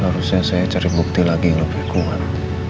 harusnya saya cari bukti lagi yang lebih kuat